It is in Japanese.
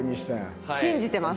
信じてます。